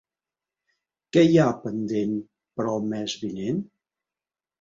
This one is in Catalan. Què hi ha pendent per al mes vinent?